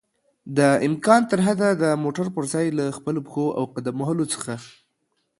دامکان ترحده د موټر پر ځای له خپلو پښو او قدم وهلو څخه